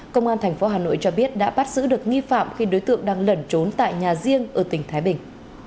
công an thành phố hà nội cho biết đã bắt giữ được nghi phạm khi đối tượng đang lẩn trốn tại nhà riêng ở tỉnh thái bình